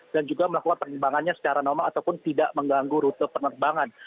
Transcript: dan juga melakukan penerbangannya secara normal ataupun tidak mengganggu rute penerbangan